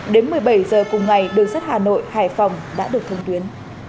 đến một mươi bảy giờ cùng ngày đường sắt hà nội hải phòng đã được thông tuyến